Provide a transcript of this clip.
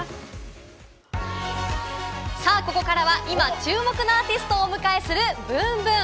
さぁ、ここからは今注目のアーティストをお迎えするｂｏｏｍｂｏｏｍ。